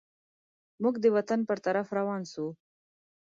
موږ د وطن پر طرف روان سوو.